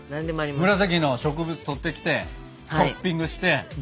紫の植物とってきてトッピングして。